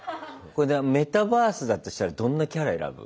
これがメタバースだとしたらどんなキャラ選ぶ？